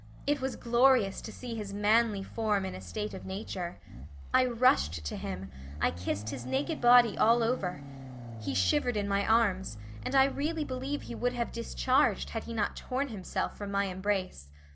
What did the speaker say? It was glorious to see his manly form in a state of nature. I rushed to him, I kissed his naked body all over. He shivered in my arms, and I really believe he would have discharged had he not torn himself from my embrace.